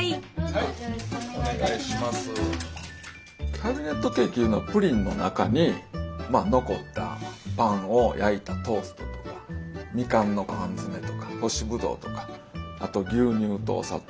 キャビネットケーキいうのはプリンの中に残ったパンを焼いたトーストとかみかんの缶詰とか干しブドウとかあと牛乳とお砂糖。